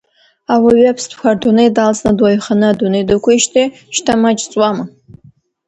Ауаҩы аԥстәқәа рдунеи далҵны дуаҩханы адунеи дықәижьҭеи шьҭа маҷ ҵуама?